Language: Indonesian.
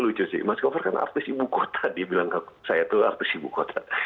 lucu sih mas gover karena artis ibu kota dia bilang saya itu artis ibu kota